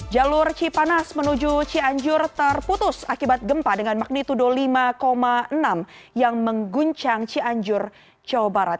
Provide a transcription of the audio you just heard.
jalur cipanas menuju cianjur terputus akibat gempa dengan magnitudo lima enam yang mengguncang cianjur jawa barat